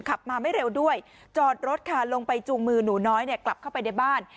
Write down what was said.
ขับมาไม่เร็วด้วยจอดรถค่ะลงไปจูงมือหนูน้อยเนี่ยกลับเข้าไปในบ้าน